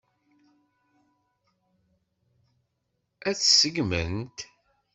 Ad tt-seggment?